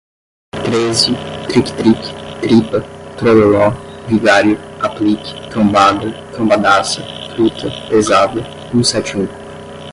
treze, tric-tric, tripa, trololó, vigário, aplique, trombada, trombadaça, truta, pesada, um sete um